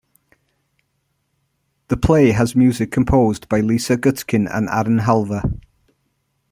The play has music composed by Lisa Gutkin and Aaron Halva.